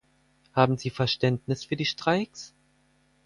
Haben Sie Verständnis für die Streiks?